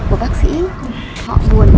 của bác sĩ họ buồn